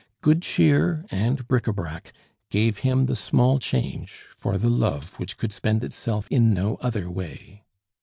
Good cheer and bric a brac gave him the small change for the love which could spend itself in no other way.